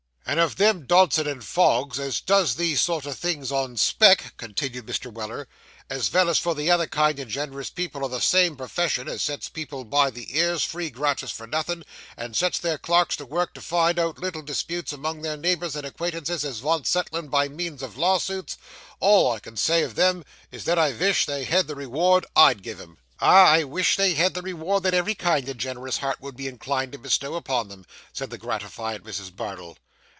'And of them Dodson and Foggs, as does these sort o' things on spec,' continued Mr. Weller, 'as vell as for the other kind and gen'rous people o' the same purfession, as sets people by the ears, free gratis for nothin', and sets their clerks to work to find out little disputes among their neighbours and acquaintances as vants settlin' by means of lawsuits all I can say o' them is, that I vish they had the reward I'd give 'em.' 'Ah, I wish they had the reward that every kind and generous heart would be inclined to bestow upon them!' said the gratified Mrs. Bardell.